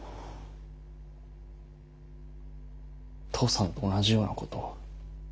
父さんと同じようなことを。